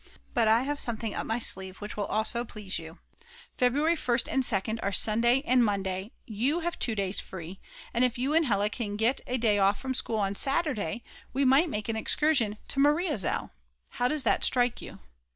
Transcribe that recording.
But I have something up my sleeve which will also please you. February 1st and 2nd are Sunday and Monday, you have 2 days free, and if you and Hella can get a day off from school on Saturday we might make an excursion to Mariazell. How does that strike you?"